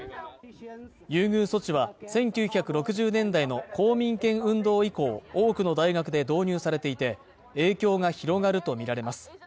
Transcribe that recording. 優遇措置は、１９６０年代の公民権運動以降、多くの大学で導入されていて、影響が広がるとみられます。